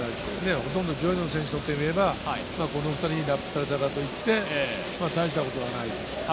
上位の選手にとってみれば、この２人にラップされたからといって大したことはないと。